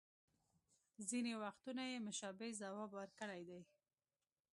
ځینې وختونه یې مشابه ځواب ورکړی دی